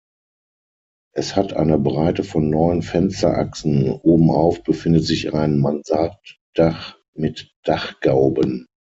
Es hat eine Breite von neun Fensterachsen, obenauf befindet sich ein Mansarddach mit Dachgauben.